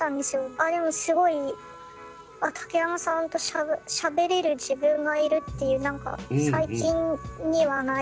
あでもすごい竹山さんとしゃべれる自分がいるっていう何か最近にはないちょっと自信になりました。